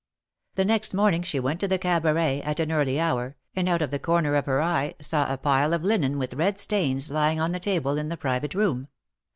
The next morning she went to the Cabaret, at an early hour, and out of the corner of her eye, saw a pile of linen with red stains lying on the table in the private room.